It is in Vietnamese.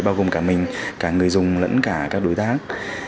bao gồm cả mình cả người dùng lẫn cả các đối tác